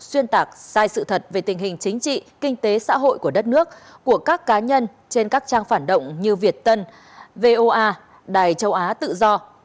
xuyên tạc sai sự thật về tình hình chính trị kinh tế xã hội của đất nước của các cá nhân trên các trang phản động như việt tân voa đài châu á tự do